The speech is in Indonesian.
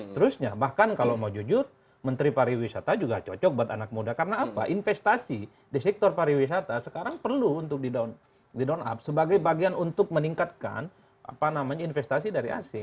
terusnya bahkan kalau mau jujur menteri pariwisata juga cocok buat anak muda karena apa investasi di sektor pariwisata sekarang perlu untuk di down up sebagai bagian untuk meningkatkan investasi dari asing